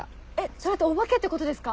それってお化けってことですか？